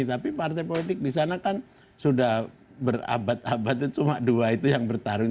tapi partai politik di sana kan sudah berabad abad itu cuma dua itu yang bertarung